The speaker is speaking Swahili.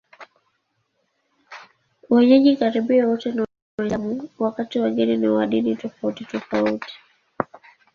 Wenyeji karibu wote ni Waislamu, wakati wageni ni wa dini tofautitofauti.